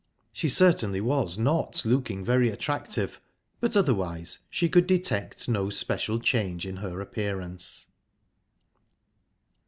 She certainly was not looking very attractive, but otherwise she could detect no special change in her appearance.